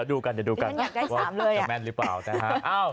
เดี๋ยวดูกันว่าจะแม่นหรือเปล่านะฮะอ้าว